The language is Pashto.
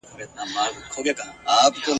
په بغارو په فریاد سول له دردونو ..